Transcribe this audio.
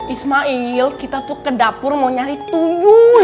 ismail kita tuh ke dapur mau nyari tubuh